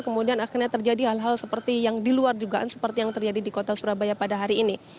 kemudian akhirnya terjadi hal hal seperti yang diluar dugaan seperti yang terjadi di kota surabaya pada hari ini